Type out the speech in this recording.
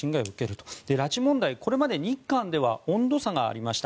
拉致問題、これまで日韓では温度差がありました。